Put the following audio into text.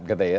gak ada ya